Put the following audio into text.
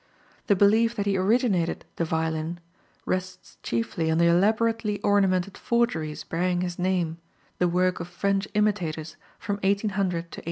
The belief that he originated the violin rests chiefly on the elaborately ornamented forgeries bearing his name, the work of French imitators from 1800 to 1840.